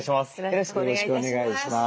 よろしくお願いします。